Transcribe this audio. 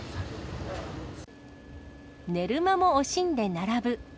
寝る間も惜しんで並ぶ。